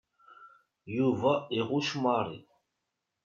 Yuba iɣucc Mary.